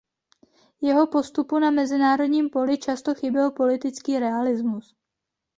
Jeho postupu na mezinárodním poli často chyběl politický realismus.